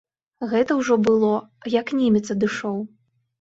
Гэта ўжо было, як немец адышоў.